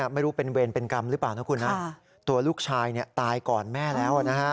ไม่รู้เป็นเวรเป็นกรรมหรือเปล่านะคุณนะตัวลูกชายตายก่อนแม่แล้วนะฮะ